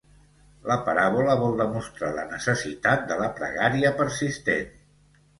La paràbola vol demostrar la necessitat de la pregària persistent.